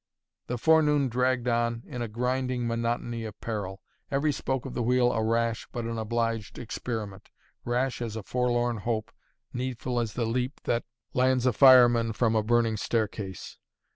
The forenoon dragged on in a grinding monotony of peril; every spoke of the wheel a rash, but an obliged experiment rash as a forlorn hope, needful as the leap that lands a fireman from a burning staircase.